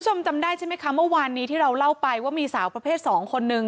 จำได้ใช่ไหมคะเมื่อวานนี้ที่เราเล่าไปว่ามีสาวประเภทสองคนนึง